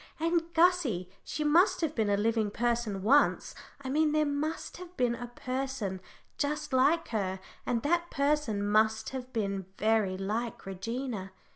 And, Gussie, she must have been a living person once; I mean there must have been a person just like her, and that person must have been very like Regina.